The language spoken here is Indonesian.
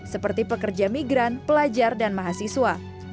seperti pekerja migran pelajar dan mahasiswa